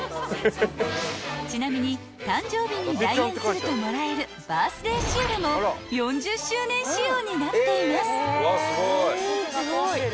［ちなみに誕生日に来園するともらえるバースデーシールも４０周年仕様になっています］